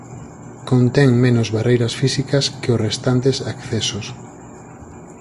Contén menos barreiras físicas que os restantes accesos.